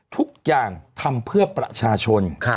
ทุกอย่างทำเพื่อประชาชน